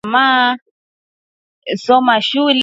Bya ma informatique lwangu shibiyuwi lwangu